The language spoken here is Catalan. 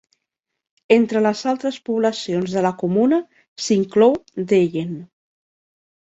Entre les altres poblacions de la comuna s'inclou Dellen.